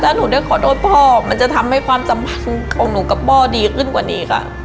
ถ้าหนูได้ขอโทษพ่อมันจะทำให้ความสัมพันธ์ของหนูกับพ่อดีขึ้นกว่านี้ค่ะ